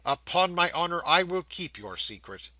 Upon my honour, I will keep your secret.